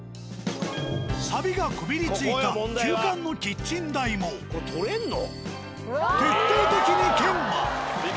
サビがこびりついた旧館のキッチン台も徹底的に研磨。